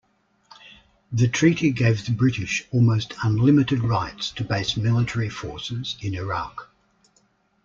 The treaty gave the British almost unlimited rights to base military forces in Iraq.